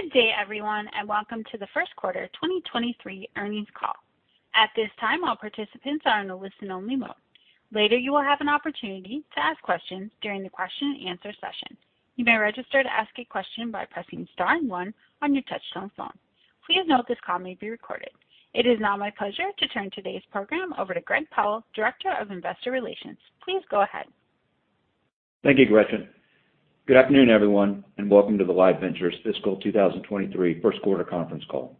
Good day, everyone, and welcome to the first quarter 2023 earnings call. At this time, all participants are in a listen-only mode. Later, you will have an opportunity to ask questions during the question and answer session. You may register to ask a question by pressing star one on your touch-tone phone. Please note this call may be recorded. It is now my pleasure to turn today's program over to Greg Powell, Director of Investor Relations. Please go ahead. Thank you, Gretchen. Good afternoon, everyone, and welcome to the Live Ventures fiscal 2023 first quarter conference call.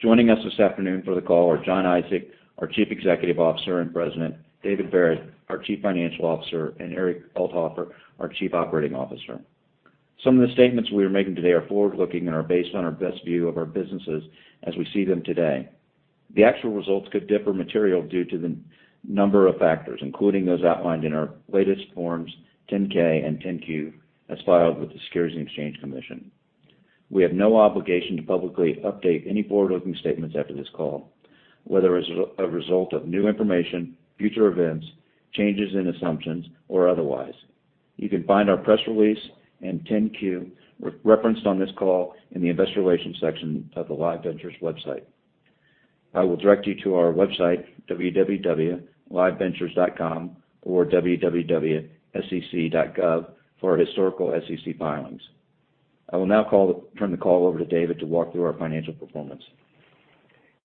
Joining us this afternoon for the call are Jon Isaac, our Chief Executive Officer and President, David Verret, our Chief Financial Officer, and Eric Althofer, our Chief Operating Officer. Some of the statements we are making today are forward-looking and are based on our best view of our businesses as we see them today. The actual results could differ material due to the number of factors, including those outlined in our latest forms 10-K and 10-Q, as filed with the Securities and Exchange Commission. We have no obligation to publicly update any forward-looking statements after this call, whether as a result of new information, future events, changes in assumptions, or otherwise. You can find our press release and 10-Q referenced on this call in the investor relations section of the Live Ventures website. I will direct you to our website, www.liveventures.com or www.sec.gov for historical SEC filings. I will now turn the call over to David to walk through our financial performance.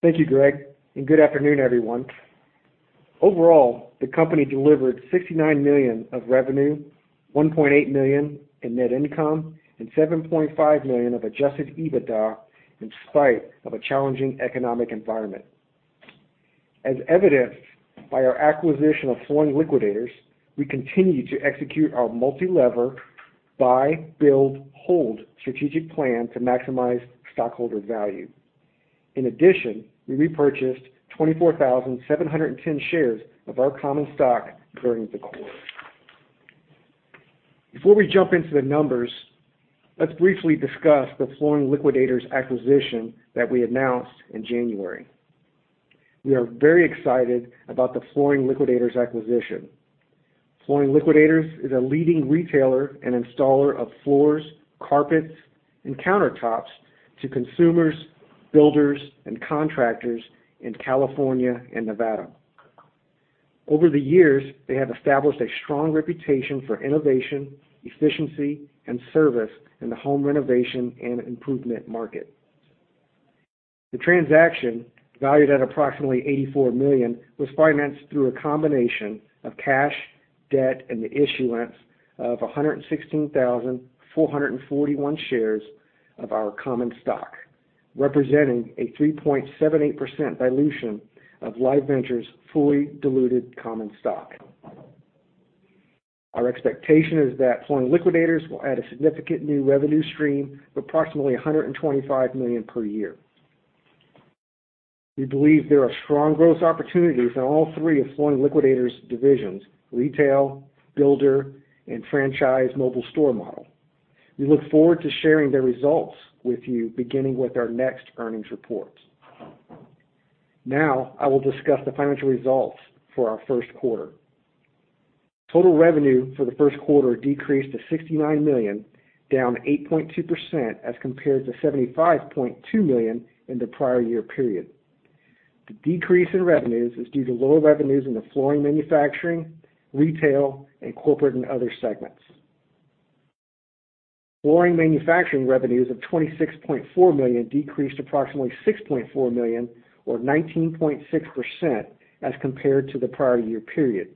Thank you, Greg, and good afternoon, everyone. Overall, the company delivered $69 million of revenue, $1.8 million in net income, and $7.5 million of adjusted EBITDA in spite of a challenging economic environment. As evidenced by our acquisition of Flooring Liquidators, we continue to execute our multi-level buy-build-hold strategic plan to maximize stockholder value. In addition, we repurchased 24,710 shares of our common stock during the quarter. Before we jump into the numbers, let's briefly discuss the Flooring Liquidators acquisition that we announced in January. We are very excited about the Flooring Liquidators acquisition. Flooring Liquidators is a leading retailer and installer of floors, carpets, and countertops to consumers, builders, and contractors in California and Nevada. Over the years, they have established a strong reputation for innovation, efficiency, and service in the home renovation and improvement market. The transaction, valued at approximately $84 million, was financed through a combination of cash, debt, and the issuance of 116,441 shares of our common stock, representing a 3.78% dilution of Live Ventures' fully diluted common stock. Our expectation is that Flooring Liquidators will add a significant new revenue stream of approximately $125 million per year. We believe there are strong growth opportunities in all three of Flooring Liquidators divisions, retail, builder, and franchise mobile store model. We look forward to sharing their results with you beginning with our next earnings report. I will discuss the financial results for our first quarter. Total revenue for the first quarter decreased to $69 million, down 8.2% as compared to $75.2 million in the prior-year period. The decrease in revenues is due to lower revenues in the Flooring Manufacturing, retail, and corporate and other segments. Flooring Manufacturing revenues of $26.4 million decreased approximately $6.4 million or 19.6% as compared to the prior year period.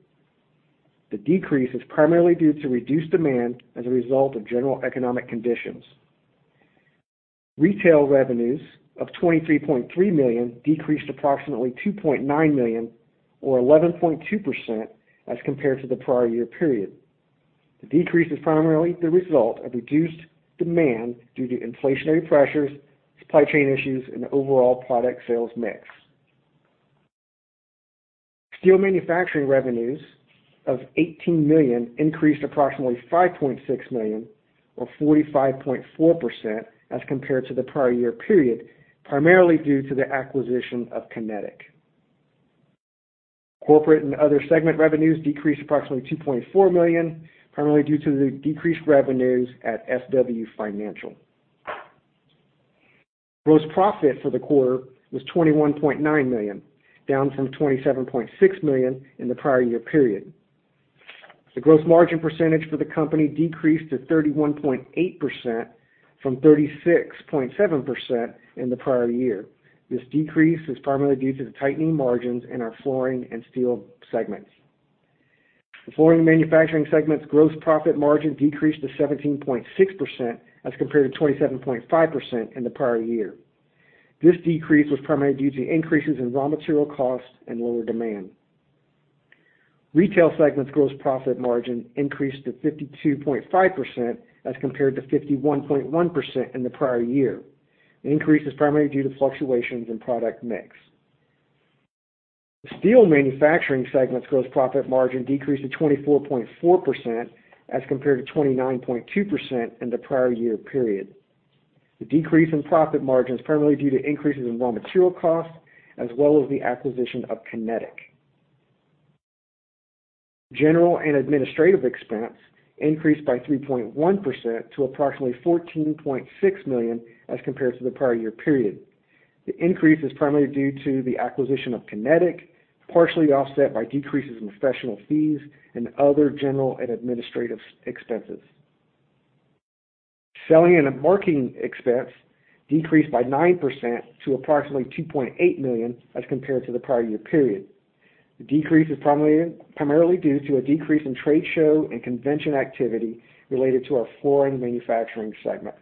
The decrease is primarily due to reduced demand as a result of general economic conditions. Retail revenues of $23.3 million decreased approximately $2.9 million or 11.2% as compared to the prior year period. The decrease is primarily the result of reduced demand due to inflationary pressures, supply chain issues, and overall product sales mix. Steel Manufacturing revenues of $18 million increased approximately $5.6 million or 45.4% as compared to the prior year period, primarily due to the acquisition of Kinetic. Corporate and other segment revenues decreased approximately $2.4 million, primarily due to the decreased revenues at SW Financial. Gross profit for the quarter was $21.9 million, down from $27.6 million in the prior year period. The gross margin percentage for the company decreased to 31.8% from 36.7% in the prior year. This decrease is primarily due to the tightening margins in our flooring and steel segments. The Flooring Manufacturing segment's gross profit margin decreased to 17.6% as compared to 27.5% in the prior year. This decrease was primarily due to increases in raw material costs and lower demand. Retail segment's gross profit margin increased to 52.5% as compared to 51.1% in the prior year. The increase is primarily due to fluctuations in product mix. The Steel Manufacturing segment's gross profit margin decreased to 24.4% as compared to 29.2% in the prior year period. The decrease in profit margin is primarily due to increases in raw material costs as well as the acquisition of Kinetic. General and administrative expense increased by 3.1% to approximately $14.6 million as compared to the prior year period. The increase is primarily due to the acquisition of Kinetic, partially offset by decreases in professional fees and other general and administrative expenses. Selling and marketing expense decreased by 9% to approximately $2.8 million as compared to the prior year period. The decrease is primarily due to a decrease in trade show and convention activity related to our Flooring Manufacturing segment.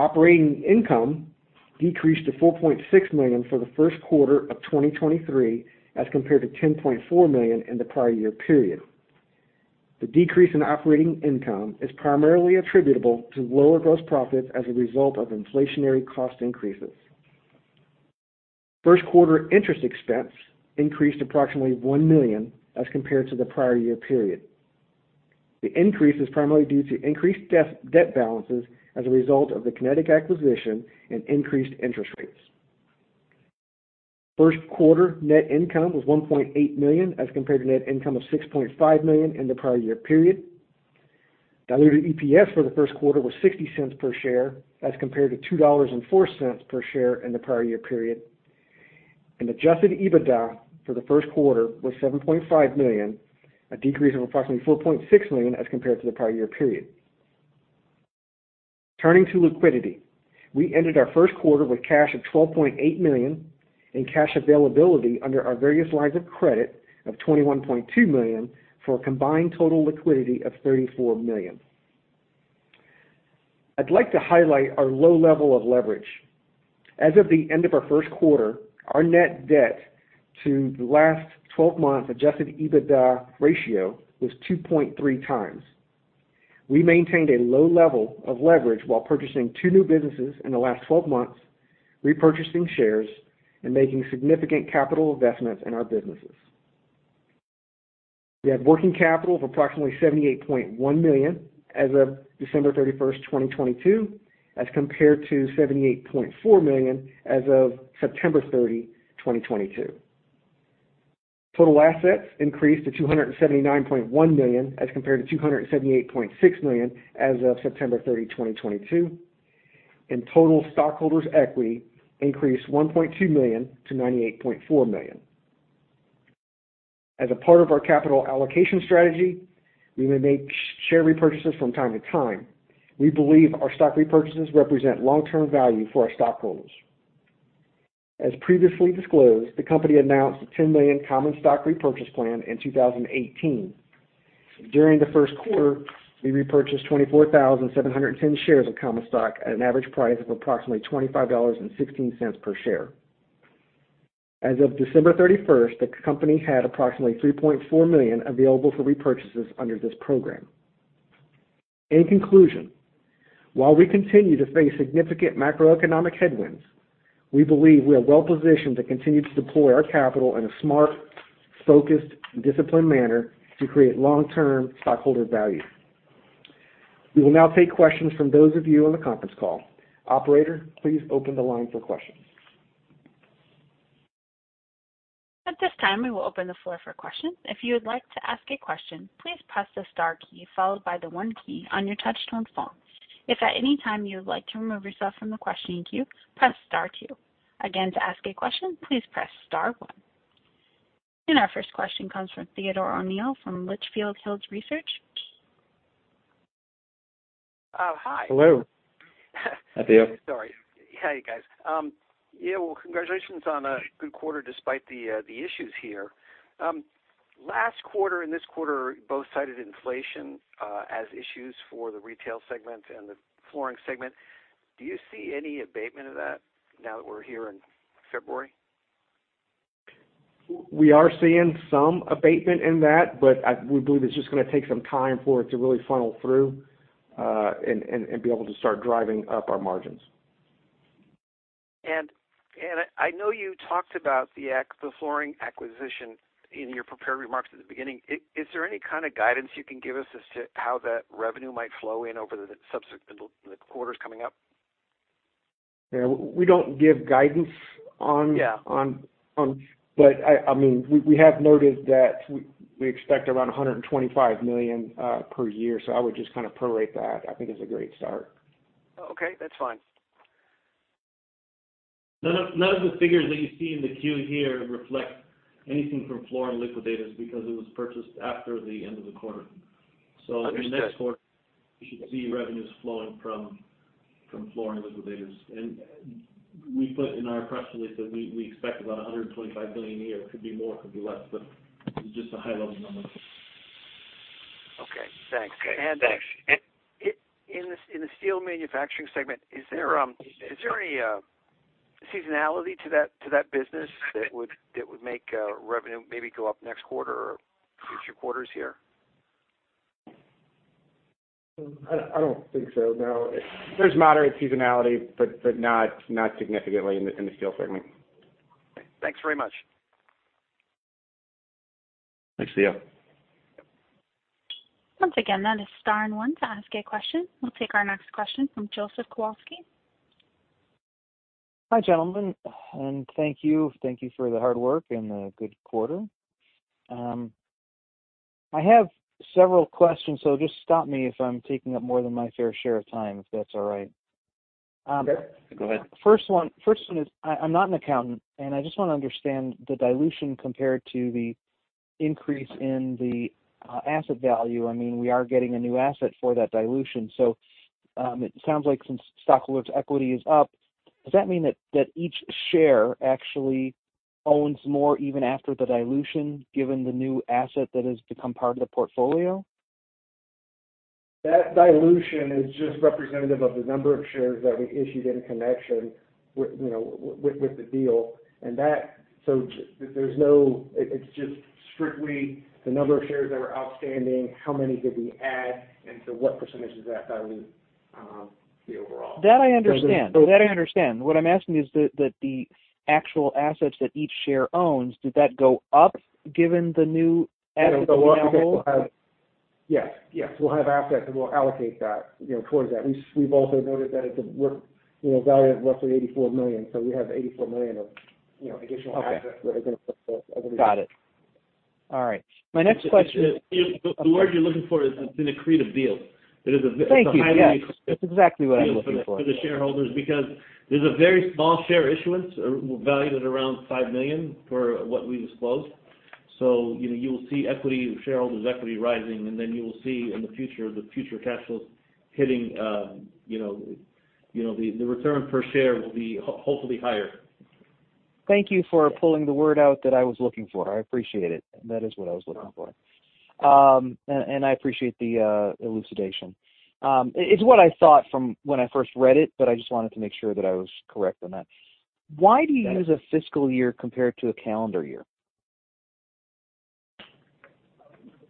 Operating income decreased to $4.6 million for the first quarter of 2023 as compared to $10.4 million in the prior year period. The decrease in operating income is primarily attributable to lower gross profits as a result of inflationary cost increases. First quarter interest expense increased approximately $1 million as compared to the prior year period. The increase is primarily due to increased debt balances as a result of the Kinetic acquisition and increased interest rates. First quarter net income was $1.8 million as compared to net income of $6.5 million in the prior year period. Diluted EPS for the first quarter was $0.60 per share as compared to $2.04 per share in the prior year period. Adjusted EBITDA for the first quarter was $7.5 million, a decrease of approximately $4.6 million as compared to the prior year period. Turning to liquidity, we ended our first quarter with cash of $12.8 million and cash availability under our various lines of credit of $21.2 million for a combined total liquidity of $34 million. I'd like to highlight our low level of leverage. As of the end of our first quarter, our net debt to the last 12 months adjusted EBITDA ratio was 2.3x. We maintained a low level of leverage while purchasing two new businesses in the last 12 months, repurchasing shares, and making significant capital investments in our businesses. We had working capital of approximately $78.1 million as of December 31st, 2022, as compared to $78.4 million as of September 30, 2022. Total assets increased to $279.1 million as compared to $278.6 million as of September 30, 2022. Total stockholders' equity increased $1.2 million to $98.4 million. As a part of our capital allocation strategy, we may make share repurchases from time to time. We believe our stock repurchases represent long-term value for our stockholders. As previously disclosed, the company announced a $10 million common stock repurchase plan in 2018. During the first quarter, we repurchased 24,710 shares of common stock at an average price of approximately $25.16 per share. As of December 31st, the company had approximately $3.4 million available for repurchases under this program. In conclusion, while we continue to face significant macroeconomic headwinds, we believe we are well positioned to continue to deploy our capital in a smart, focused and disciplined manner to create long-term stockholder value. We will now take questions from those of you on the conference call. Operator, please open the line for questions. At this time, we will open the floor for questions. If you would like to ask a question, please press the star key followed by the one key on your touchtone phone. If at any time you would like to remove yourself from the questioning queue, press star two. Again, to ask a question, please press star one. Our first question comes from Theodore O'Neill from Litchfield Hills Research. Oh, hi. Hello. Hi, Theo. Sorry. Hey, guys. Yeah, well, congratulations on a good quarter despite the issues here. Last quarter and this quarter both cited inflation as issues for the retail segment and the flooring segment. Do you see any abatement of that now that we're here in February? We are seeing some abatement in that, we believe it's just gonna take some time for it to really funnel through, and be able to start driving up our margins. I know you talked about the flooring acquisition in your prepared remarks at the beginning. Is there any kind of guidance you can give us as to how that revenue might flow in over the quarters coming up? Yeah, we don't give guidance on. Yeah. I mean, we have noted that we expect around $125 million per year. I would just kind of prorate that. I think it's a great start. Okay, that's fine. None of the figures that you see in the 10-Q here reflect anything from Flooring Liquidators because it was purchased after the end of the quarter. Understood. In the next quarter, you should see revenues flowing from Flooring Liquidators. We put in our press release that we expect about $125 million a year. Could be more, could be less, but just a high-level number. Okay, thanks. Okay, thanks. In the Steel Manufacturing segment, is there any seasonality to that business that would make revenue maybe go up next quarter or future quarters here? I don't think so, no. There's moderate seasonality, but not significantly in the steel segment. Thanks very much. Thanks, Theo. Once again, that is star and one to ask a question. We'll take our next question from Joseph Kowalsky. Hi, gentlemen, and thank you. Thank you for the hard work and the good quarter. I have several questions, just stop me if I'm taking up more than my fair share of time, if that's all right. Sure. Go ahead. First one is, I'm not an accountant, I just wanna understand the dilution compared to the increase in the asset value. I mean, we are getting a new asset for that dilution. It sounds like since stockholders' equity is up, does that mean that each share actually owns more even after the dilution, given the new asset that has become part of the portfolio? That dilution is just representative of the number of shares that we issued in connection with, you know, with the deal. There's no, it's just strictly the number of shares that were outstanding, how many did we add, and so what percentage does that dilute the overall. That I understand. That I understand. What I'm asking is that the actual assets that each share owns, did that go up given the new asset? Yes. Yes. We'll have assets, and we'll allocate that, you know, towards that. We've also noted that it's worth, you know, valued at roughly $84 million. We have $84 million of, you know, additional assets that are gonna. Got it. All right. My next question is. The word you're looking for is it's an accretive deal. It is a. Thank you. Yes. It's a highly accretive. That's exactly what I'm looking for. Deal for the shareholders because there's a very small share issuance, valued at around $5 million for what we disclosed. You know, you'll see equity, shareholders' equity rising, then you'll see in the future, the future cash flows hitting, you know. You know, the return per share will be hopefully higher. Thank you for pulling the word out that I was looking for. I appreciate it. That is what I was looking for. I appreciate the elucidation. It's what I thought from when I first read it, but I just wanted to make sure that I was correct on that. Why do you use a fiscal year compared to a calendar year?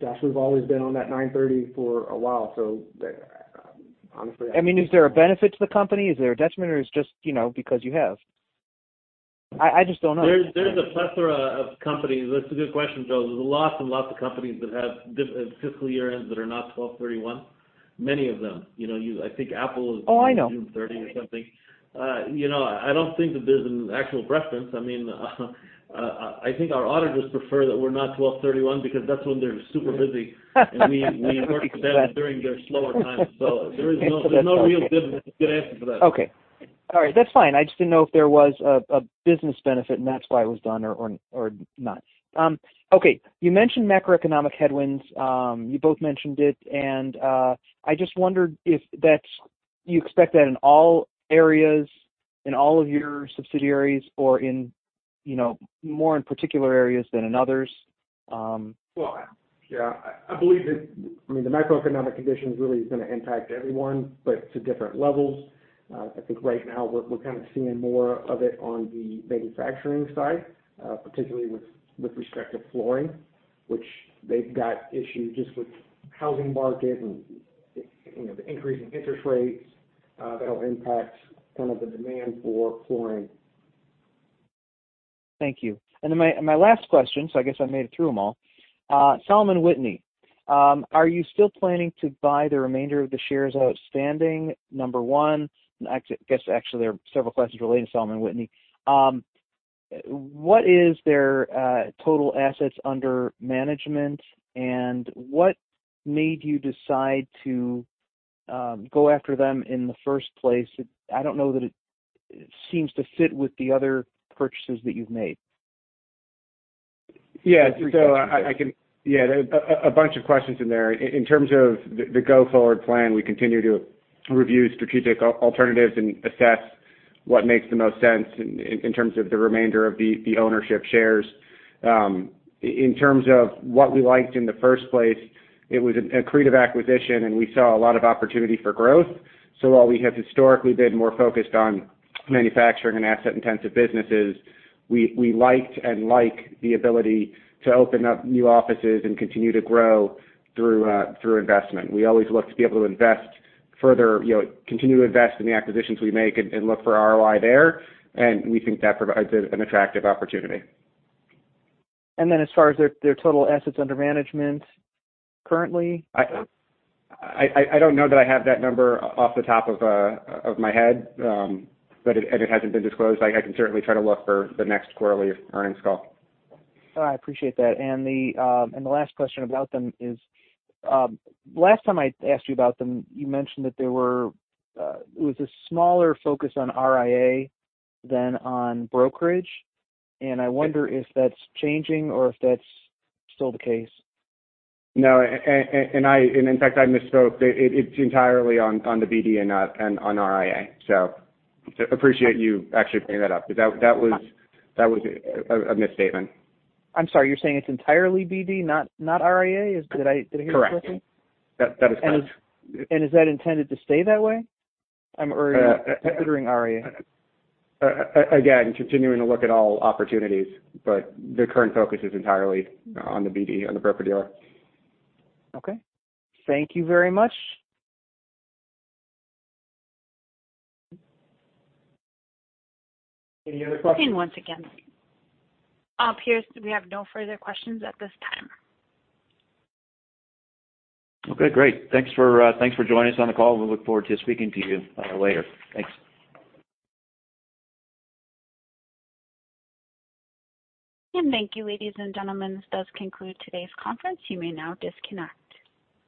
Gosh, we've always been on that 09/30 for a while. Honestly, I'm. I mean, is there a benefit to the company? Is there a detriment or is just, you know, because you have? I just don't know. There's a plethora of companies. That's a good question, Joe. There's lots and lots of companies that have fiscal year-ends that are not 12/31. Many of them. You know, I think Apple is. Oh, I know. June 30 or something. you know, I don't think that there's an actual preference. I mean, I think our auditors prefer that we're not 12/31 because that's when they're super busy. We work with them during their slower time. There's no real difference. Good asking for that. Okay. All right. That's fine. I just didn't know if there was a business benefit, and that's why it was done or not. Okay, you mentioned macroeconomic headwinds. You both mentioned it. I just wondered if that's, you expect that in all areas, in all of your subsidiaries or in, you know, more in particular areas than in others? Well, yeah, I believe that, I mean, the macroeconomic conditions really is gonna impact everyone, but to different levels. I think right now we're kind of seeing more of it on the manufacturing side, particularly with respect to flooring, which they've got issue just with housing market and, you know, the increase in interest rates, that'll impact some of the demand for flooring. Thank you. My last question, I guess I made it through them all. Salomon Whitney, are you still planning to buy the remainder of the shares outstanding? Number one. I guess actually there are several questions relating to Salomon Whitney. What is their total assets under management, what made you decide to go after them in the first place? I don't know that it seems to fit with the other purchases that you've made. Yeah. I can. Yeah, a bunch of questions in there. In terms of the go-forward plan, we continue to review strategic alternatives and assess what makes the most sense in terms of the remainder of the ownership shares. In terms of what we liked in the first place, it was an accretive acquisition, and we saw a lot of opportunity for growth. While we have historically been more focused on manufacturing and asset intensive businesses, we liked and like the ability to open up new offices and continue to grow through investment. We always look to be able to invest further, you know, continue to invest in the acquisitions we make and look for ROI there, and we think that provides an attractive opportunity. As far as their total assets under management currently? I don't know that I have that number off the top of my head. It hasn't been disclosed. I can certainly try to look for the next quarterly earnings call. All right. I appreciate that. The last question about them is, last time I asked you about them, you mentioned that there were, it was a smaller focus on RIA than on brokerage. I wonder if that's changing or if that's still the case. No. In fact, I misspoke. It's entirely on the BD and not on RIA. Appreciate you actually bringing that up because that was a misstatement. I'm sorry. You're saying it's entirely BD, not RIA? Did I hear you correctly? Correct. That is correct. Is that intended to stay that way, or are you considering RIA? Again, continuing to look at all opportunities, but the current focus is entirely on the BD, on the broker-dealer. Okay. Thank you very much. Any other questions? Once again. Pierce, we have no further questions at this time. Okay, great. Thanks for joining us on the call. We look forward to speaking to you later. Thanks. Thank you, ladies and gentlemen. This does conclude today's conference. You may now disconnect.